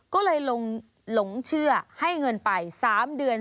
ก็เลยหลงเชื่อให้เงินไป๓เดือน